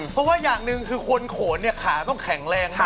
เพราะว่าอย่างหนึ่งคือคนโขนเนี่ยขาต้องแข็งแรงมาก